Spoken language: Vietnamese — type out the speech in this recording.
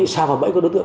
sao vào bẫy của đối tượng